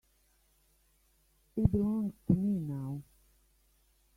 It belongs to me now.